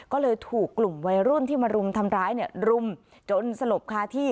ก็เลยถูกกลุ่มวัยรุ่นที่มารุมทำร้ายรุมจนสลบคาที่